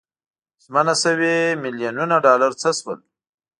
ژمنه شوي میلیونونه ډالر څه شول.